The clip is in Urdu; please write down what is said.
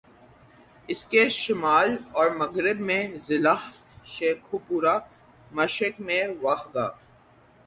اسکے شمال اور مغرب میں ضلع شیخوپورہ، مشرق میں واہگہ